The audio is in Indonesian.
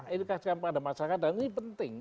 edukasi pada masyarakat dan ini penting